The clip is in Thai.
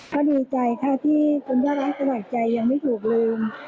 ก็ดีใจค่ะที่คุณพี่สมภาษณ์สวัสดีใจยังไม่ถูกลืม